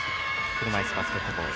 車いすバスケットボール。